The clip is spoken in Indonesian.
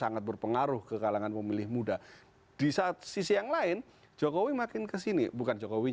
sangat berpengaruh ke kalangan pemilih muda di satu sisi yang lain jokowi makin kesini bukan jokowi